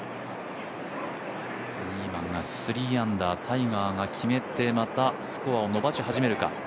ニーマンが３アンダー、タイガーが決めてまたスコアを伸ばし始めるか。